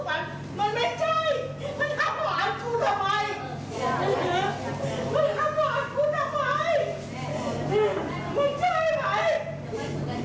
ฮะมันมีความผิดอะไรไม่ได้มาพูดไว้ต้องมันไม่ได้ทำหวานกู